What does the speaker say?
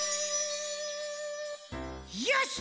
よし！